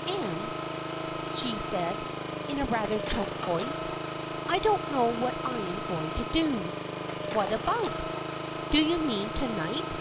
" Anne," she said, in a rather choked voice, " I don't know what I am going to do." " What about? Do you mean to night?